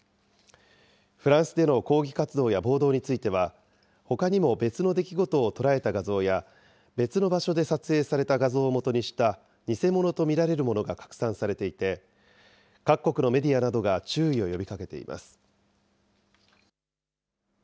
フランスでの抗議活動や暴動については、ほかにも別の出来事を捉えた画像や、別の場所で撮影された画像をもとにした偽物と見られるものが拡散されていて、各国のメディアなどが注意を呼びかけています。